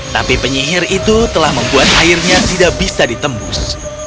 tapi penyihir itu telah membuat airnya tidak bisa ditembus